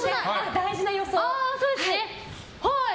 大事な予想。